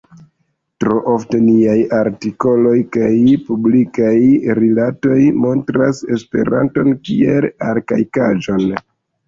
Tro ofte, niaj artikoloj kaj publikaj rilatoj montras Esperanton kiel arkaikaĵon.